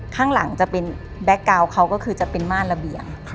ข้างหลังจะเป็นแบ็คกาวน์เขาก็คือจะเป็นม่านระเบียง